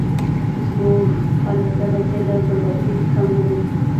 زموږ حالت د غزې له بربادیو کم نه دی.